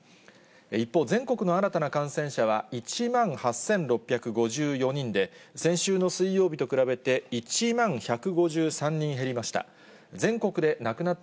一方、全国の新たな感染者は１万８６５４人で、先週の水曜日と比べて１万１５３人減りました。